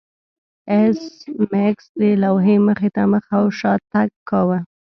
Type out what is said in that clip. ایس میکس د لوحې مخې ته مخ او شا تګ کاوه